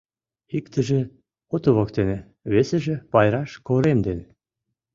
Иктыже ото воктене, весыже Пайраш корем дене.